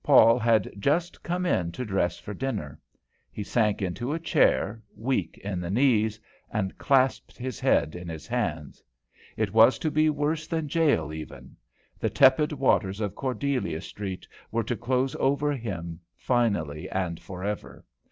Paul had just come in to dress for dinner; he sank into a chair, weak in the knees, and clasped his head in his hands. It was to be worse than jail, even; the tepid waters of Cordelia Street were to close over him finally and forever.